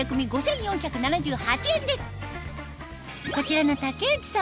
こちらの竹内さん